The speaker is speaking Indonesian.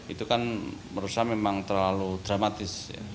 itu kan menurut saya memang terlalu dramatis